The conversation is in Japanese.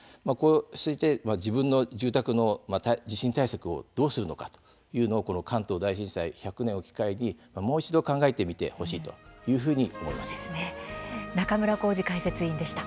ご自分の住宅の地震対策をどうするのか関東大震災１００年を機会にもう一度考えてみてほしいという中村幸司解説委員でした。